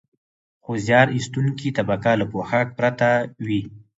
خو زیار ایستونکې طبقه له پوښاک پرته وي